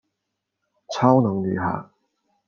超能女孩。